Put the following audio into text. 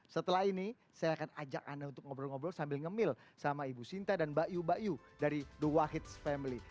setelah ini saya akan ajak anda untuk ngobrol ngobrol sambil ngemil sama ibu sinta dan mbak yu mbak yu dari the wahids family